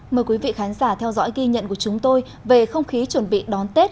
mời quý vị khán giả theo dõi ghi nhận của chúng tôi về không khí chuẩn bị đón tết